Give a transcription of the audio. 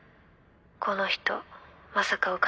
この人まさかお金